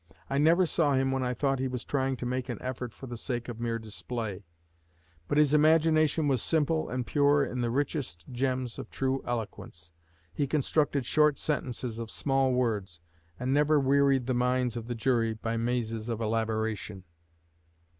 I never saw him when I thought he was trying to make an effort for the sake of mere display; but his imagination was simple and pure in the richest gems of true eloquence. He constructed short sentences of small words, and never wearied the minds of the jury by mazes of elaboration."